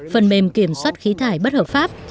phần mềm kiểm soát khí thải bất hợp pháp